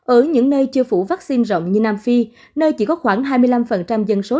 ở những nơi chưa phủ vaccine rộng như nam phi nơi chỉ có khoảng hai mươi năm dân số